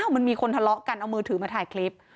มันมีคนทะเลาะกันเอามือถือมาถ่ายคลิป